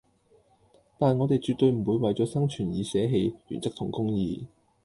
但我地絕對唔會為左生存而捨棄原則同公義